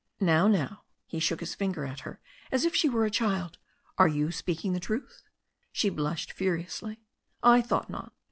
"Now, now," he shook his finger at her as if she were a child, "are you speaking the truth?" She blushed furiously. "I thought not."